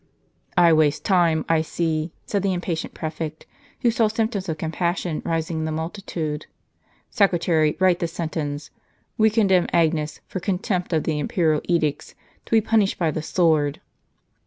t " I waste time, I see," said the impatient prefect, who saw symptoms of compassion rising in the multitude. " Secretary, write the sentence. We condemn Agnes, for contempt of the imperial edicts, to be punished by the sword."